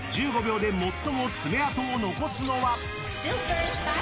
１５秒で最も爪痕を残すのは？